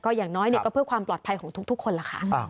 อย่างน้อยก็เพื่อความปลอดภัยของทุกคนล่ะค่ะ